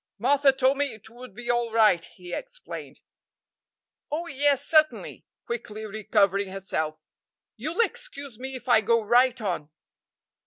"Martha told me it would be all right," he explained. "Oh, yes, certainly," quickly recovering herself, "you'll excuse me if I go right on."